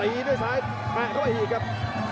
ตีด้วยซ้ายมาเข้ามาอีกครับ